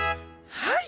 はい。